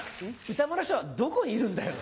歌丸師匠はどこにいるんだよ。